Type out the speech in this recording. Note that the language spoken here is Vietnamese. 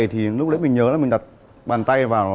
thì lúc đấy mình nhớ là mình đặt bàn tay vào